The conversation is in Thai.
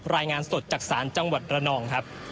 รายงานสดจากศาลจังหวัดระนองครับ